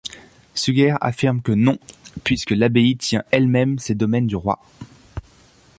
Suger affirme que non, puisque l'abbaye tient elle-même ses domaines du roi.